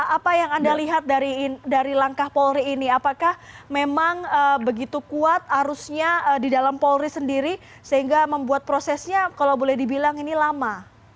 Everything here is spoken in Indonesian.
apa yang anda lihat dari langkah polri ini apakah memang begitu kuat arusnya di dalam polri sendiri sehingga membuat prosesnya kalau boleh dibilang ini lama